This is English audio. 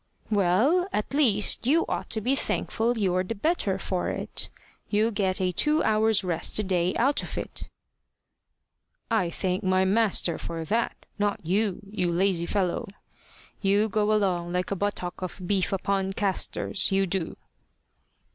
"Well, at least you ought to be thankful you're the better for it. You get a two hours' rest a day out of it." "I thank my master for that not you, you lazy fellow! You go along like a buttock of beef upon castors you do."